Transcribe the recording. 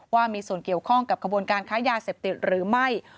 ว่ามีส่วนเกี่ยวข้องกับขบวนการค้ายาเสพติดหรือไม่